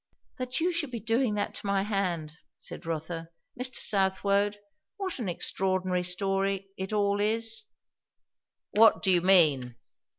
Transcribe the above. "That you should be doing that to my hand!" said Rotha. "Mr. Southwode, what an extraordinary story it all is!" "What do you mean?"